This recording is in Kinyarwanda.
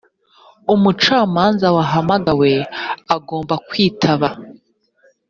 umucamanza wahamagawe agomba kwitaba.